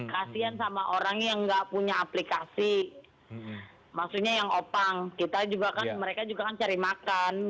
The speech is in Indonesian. kasian sama orang yang nggak punya aplikasi maksudnya yang opang kita juga kan mereka juga kan cari makan